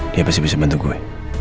dia pasti bisa bantu gue